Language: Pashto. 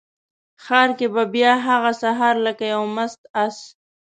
ښار کې به بیا هغه سهار لکه یو مست آس،